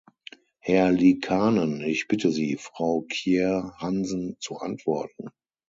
Herr Liikanen, ich bitte Sie, Frau Kjer Hansen zu antworten.